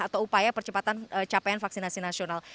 atau upaya percepatan capaian vaksinasi nasional